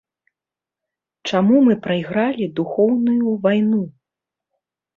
Чаму мы прайгралі духоўную вайну?